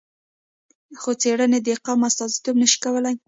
څو څېرې د قوم استازیتوب نه شي کولای.